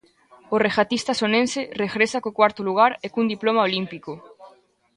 O regatista sonense regresa co cuarto lugar e cun diploma olímpico.